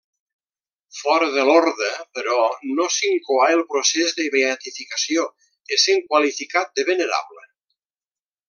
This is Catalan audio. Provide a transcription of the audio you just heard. Fora de l'orde, però, no s'incoà el procés de beatificació, essent qualificat de venerable.